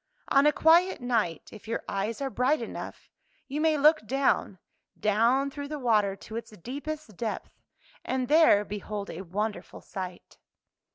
On a quiet night — if your eyes are bright enough — you may look down, down through the water to its deepest depth, and there behold a wonderful sight.